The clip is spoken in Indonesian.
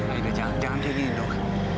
aida jangan kayak gini dok